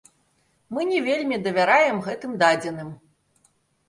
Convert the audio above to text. Мы не вельмі давяраем гэтым дадзеным.